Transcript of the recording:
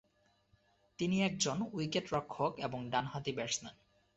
তিনি একজন উইকেটরক্ষক এবং ডানহাতি ব্যাটসম্যান।